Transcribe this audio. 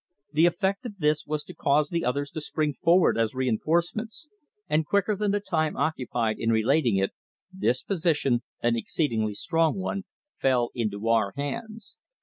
The effect of this was to cause the others to spring forward as reinforcements, and quicker than the time occupied in relating it, this position, an exceedingly strong one, fell into our hands.